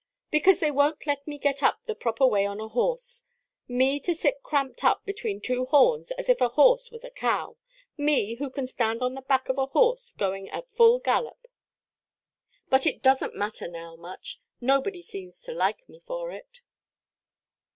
"Because they wonʼt let me get up the proper way on a horse. Me to sit cramped up between two horns, as if a horse was a cow! Me, who can stand on the back of a horse going at full gallop! But it doesnʼt matter now much. Nobody seems to like me for it."